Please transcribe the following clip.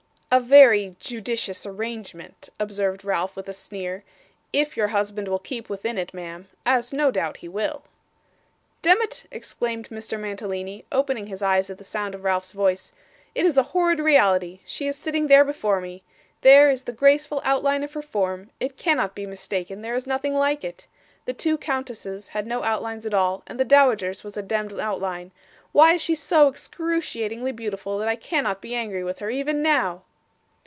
'A very judicious arrangement,' observed Ralph with a sneer, 'if your husband will keep within it, ma'am as no doubt he will.' 'Demmit!' exclaimed Mr. Mantalini, opening his eyes at the sound of Ralph's voice, 'it is a horrid reality. She is sitting there before me. There is the graceful outline of her form; it cannot be mistaken there is nothing like it. The two countesses had no outlines at all, and the dowager's was a demd outline. Why is she so excruciatingly beautiful that I cannot be angry with her, even now?